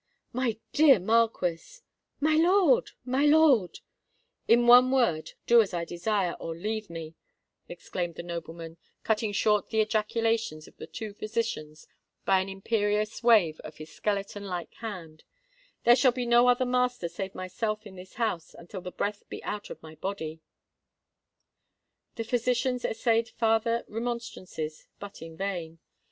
"My dear Marquis——" "My lord—my lord——" "In one word, do as I desire—or leave me," exclaimed the nobleman, cutting short the ejaculations of the two physicians by an imperious wave of his skeleton like hand: "there shall be no other master save myself in this house, until the breath be out of my body." The physicians essayed farther remonstrances—but in vain.